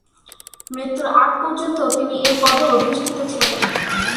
মৃত্যুর আগ পর্যন্ত তিনি এ পদে অধিষ্ঠিত ছিলেন।